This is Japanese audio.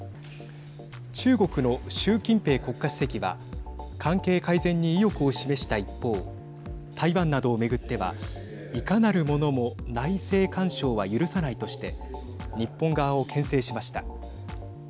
中国の習近平国家主席は関係改善に意欲を示した一方台湾などを巡ってはいかなる者も内政干渉は許さないとして日本側をけん制しました。